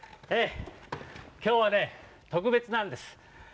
きょうはねとくべつなんです。